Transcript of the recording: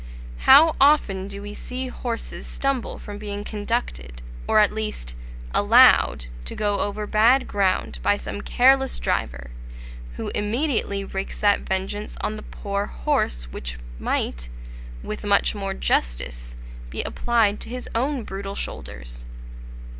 How often do we see horses stumble from being conducted, or at least "allowed," to go over bad ground by some careless driver, who immediately wreaks that vengeance on the poor horse which might, with much more justice, be applied to his own brutal shoulders.